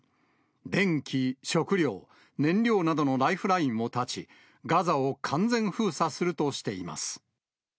電気、食料、燃料などのライフラインも断ち、ガザを完全封鎖するとしています。